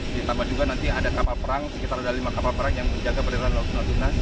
ditambah juga nanti ada kapal perang sekitar ada lima kapal perang yang menjaga peringkatan laut natuna